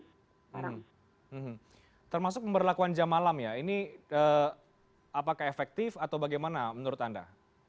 hmm termasuk pemberlakuan jam malam ya ini apakah efektif atau bagaimana menurut anda